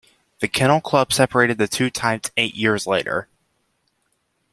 The Kennel Club separated the two types eight years later.